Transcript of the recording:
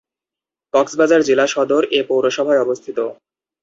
কক্সবাজার জেলা সদর এ পৌরসভায় অবস্থিত।